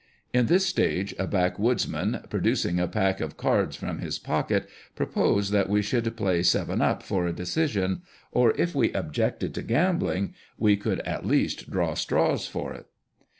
In this stage a backwoods man, producing a pack of cards from his pocket, proposed that we should play " seven up " for a decision ; or, if we objected to gambling, we could at least " draw straws for it."